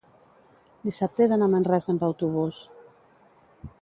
dissabte he d'anar a Manresa amb autobús.